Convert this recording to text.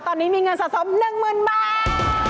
ตอนนี้มีเงินสะสม๑๐๐๐บาท